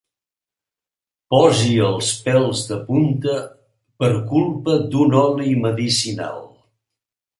Posi els pèls de punta per culpa d'un oli medicinal.